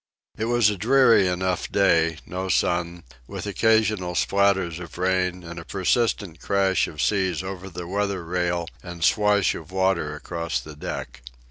It was a dreary enough day, no sun, with occasional splatters of rain and a persistent crash of seas over the weather rail and swash of water across the deck.